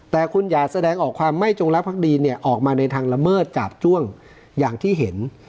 แต่คุณอย่าแสดงออกความไม่จงรักภักดีเนี่ยออกมาในทางละเมิดจาบจ้วงอย่างที่เห็น